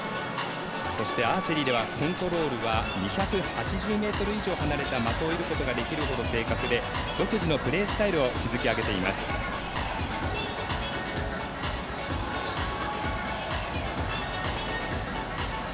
アーチェリーではコントロールは２８０ｍ以上離れた的を射ることができるほど正確で独自のプレースタイルを築き上げています。